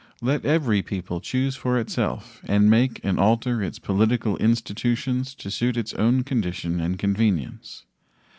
Let every people choose for itself and make and alter its political institutions to suit its own condition and convenience.